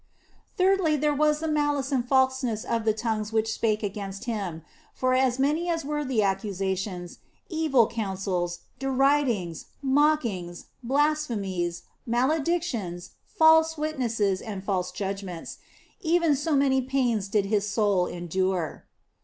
Thirdly, there was the malice and falseness of the tongues which spake against Him ; for as many as were the accusations, evil counsels, deridings, mockings, blas phemies, maledictions, false witnesses, and false judg ments, even so many pains did His soul endure.